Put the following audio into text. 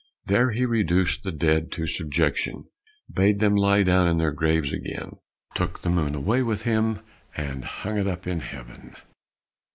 There he reduced the dead to subjection, bade them lie down in their graves again, took the moon away with him, and hung it up in heaven.